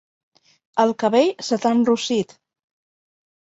El cabell se t'ha enrossit.